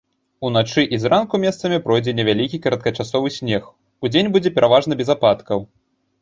Уначы і зранку месцамі пройдзе невялікі кароткачасовы снег, удзень будзе пераважна без ападкаў.